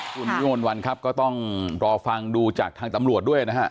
คุณวิมลวันครับก็ต้องรอฟังดูจากทางตำรวจด้วยนะฮะ